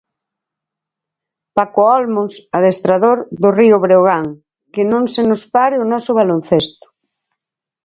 Paco Olmos Adestrador do Río Breogán Que non se nos pare o noso baloncesto.